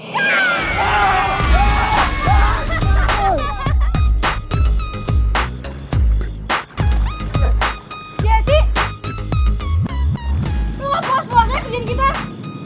kayak quasi perles bahaya